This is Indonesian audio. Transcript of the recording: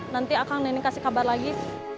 nanti akang neneng kasih kabar lagi